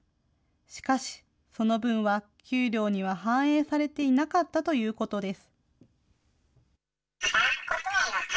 しかし、その分は給料には反映されていなかったということです。